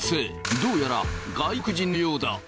どうやら外国人のようだ。